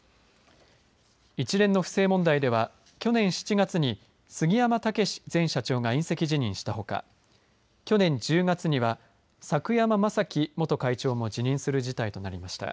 一連の不正問題では去年７月に杉山武史前社長が引責辞任したほか去年１０月には柵山正樹元会長も辞任する事態となりました。